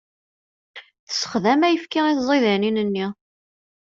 Tessexdam ayefki i tẓidanin-nni.